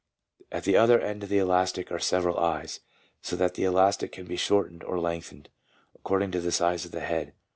At the other end of the elastic are several eyes, so that the elastic can be shortened or lengthened, according to the size of the head.